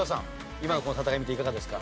今のこの戦い見ていかがですか？